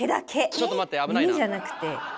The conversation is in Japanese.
ちょっと待って危ないな。